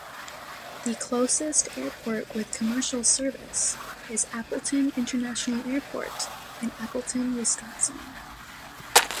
The closest airport with commercial service is Appleton International Airport in Appleton, Wisconsin.